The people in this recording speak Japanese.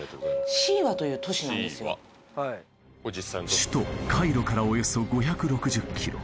首都カイロからおよそ５６０ｋｍ